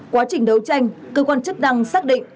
quá trình đấu tranh cơ quan chức năng xác định